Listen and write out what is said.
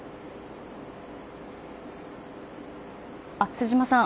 瀬島さん